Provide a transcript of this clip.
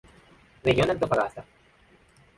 Región de Antofagasta.